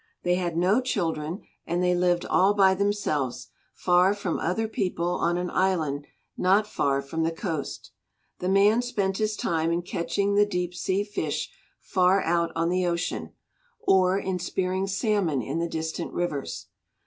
They had no children and they lived all by themselves far from other people on an island not far from the coast. The man spent his time in catching the deep sea fish far out on the ocean, or in spearing salmon in the distant rivers.